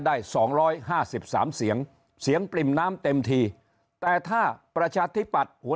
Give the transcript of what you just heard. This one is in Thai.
ได้๒๕๓เสียงเสียงปริ่มน้ำเต็มทีแต่ถ้าประชาธิปัตย์หัว